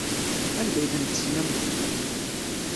Anda ay ten-tessnem?